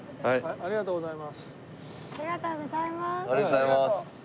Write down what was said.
ありがとうございます。